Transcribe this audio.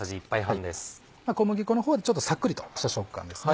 小麦粉の方でちょっとさっくりとした食感ですね。